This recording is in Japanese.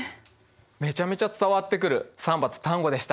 めちゃめちゃ伝わってくるサンバとタンゴでした。